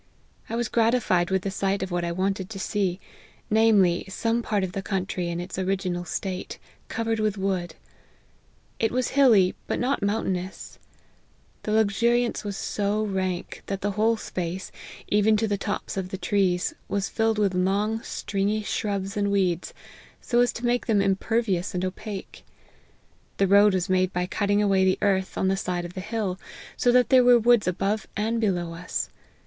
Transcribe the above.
I was gratified with the sight of what I wanted to see ; namely, some part of the country in its original state, cov ered with wood ; it was hilly, but not mountainous The luxuriance was so rank, that the whole space, even to the tops of the trees, was rilled with long stringy shrubs and weeds, so as to make them im pervious and opaque. The road was made by cut ting away the earth on the side of the hill, so that there were woods above and below us.